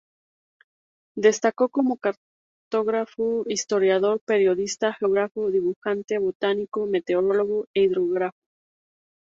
Destacó como cartógrafo, historiador, periodista, geógrafo, dibujante, botánico, meteorólogo e hidrógrafo.